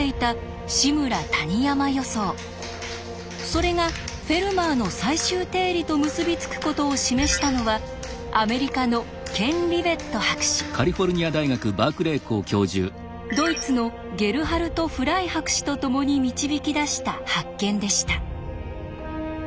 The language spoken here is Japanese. それが「フェルマーの最終定理」と結び付くことを示したのはアメリカのドイツのゲルハルト・フライ博士と共に導き出した発見でした。